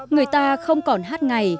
người ta không còn hát ngày